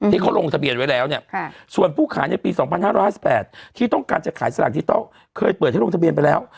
ที่เขาลงทะเบียนไว้แล้วเนี้ยค่ะส่วนผู้ขายในปีสองพันห้าร้อยห้าสิบแปดที่ต้องการจะขายสลากดิจิทัลเคยเปิดให้ลงทะเบียนไปแล้ว